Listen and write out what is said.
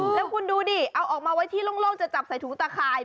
แล้วคุณดูดิเอาออกมาไว้ที่โล่งจะจับใส่ถุงตะข่าย